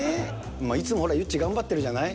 いつもほら、ゆっち、頑張ってるじゃない？